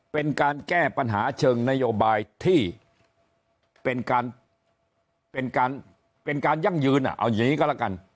เป็นการแก้ปัญหาเชิงนโยบายที่เป็นการเป็นการยั่งยืนเอาอย่างนี้ก็แล้วกัน